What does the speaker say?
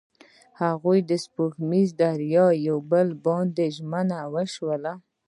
هغوی په سپوږمیز دریا کې پر بل باندې ژمن شول.